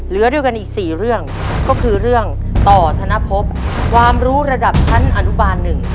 เหลือด้วยกันอีก๔เรื่องก็คือเรื่องต่อธนภพความรู้ระดับชั้นอนุบาล๑